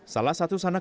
salah satu sana kemarin